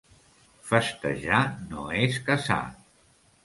Festejar no és casar.